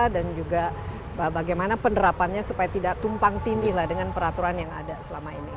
dan juga bagaimana penerapannya supaya tidak tumpang timbilah dengan peraturan yang ada selama ini